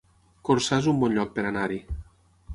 Corçà es un bon lloc per anar-hi